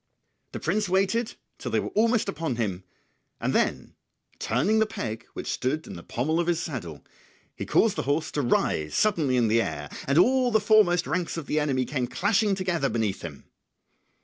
The prince waited till they were almost upon him, then turning the peg which stood in the pommel of his saddle he caused the horse to rise suddenly in the air, and all the foremost ranks of the enemy came clashing together beneath him.